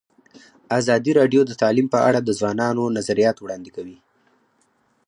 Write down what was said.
ازادي راډیو د تعلیم په اړه د ځوانانو نظریات وړاندې کړي.